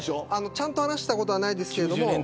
ちゃんと話したことはなかったですけど